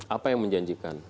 apa yang menjanjikan